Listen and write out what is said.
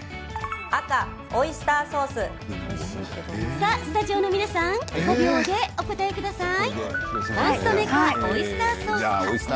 さあ、スタジオの皆さん５秒でお答えください。